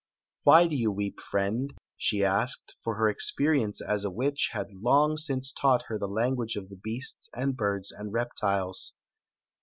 " Why do you weep, friend ?" she asked, for her experience as a witch had bng since taught her the language of the beasts and birds and reptiles.